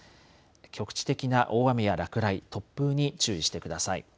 局地的な大雨や落雷、突風に注意してください。